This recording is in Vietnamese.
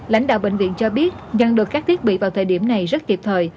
lãnh đạo bệnh viện cho biết nhận được các thiết bị vào thời điểm này rất kịp thời